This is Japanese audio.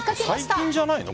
最近じゃないの？